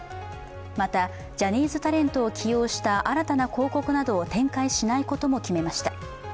また、ジャニーズタレントを起用した新たな広告などを展開しないことも決めました。